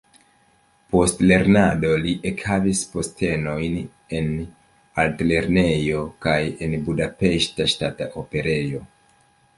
Post lernado li ekhavis postenojn en la Altlernejo kaj en Budapeŝta Ŝtata Operejo.